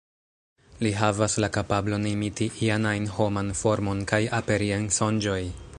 Li havas la kapablon imiti ian-ajn homan formon kaj aperi en sonĝoj.